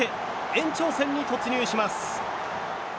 延長戦に突入します。